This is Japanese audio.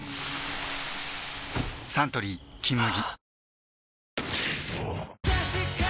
サントリー「金麦」